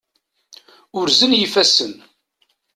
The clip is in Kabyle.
Urzen yifassen.